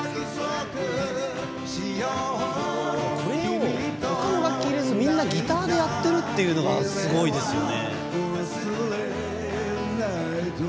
これを他の楽器を入れずギターでやってるっていうのがすごかったですよね。